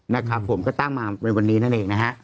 นะครับผมก็ตั้งมาในวันนี้นั่นเองนะฮะ